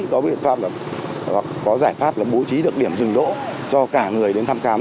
có giải pháp bố trí được điểm dừng đỗ cho cả người đến thăm khám